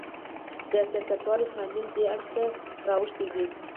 د سیاستوالو تمایل دې اړخ ته راوښتی دی.